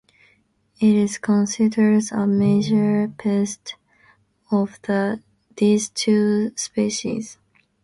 It is considered a major pest of these two species.